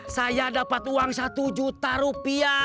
saya dapat uang satu juta rupiah